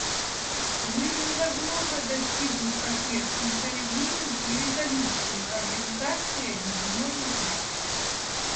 Мир невозможно достигнуть посредством заявлений и резолюций Организации Объединенных Наций.